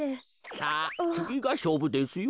さあつぎがしょうぶですよ。